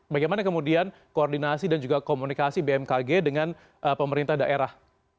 bagaimana kemudian koordinasi dan juga komunikasi bmkg dengan pemerintah daerah